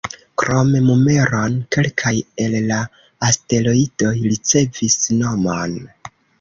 Krom numeron, kelkaj el la asteroidoj ricevis nomon.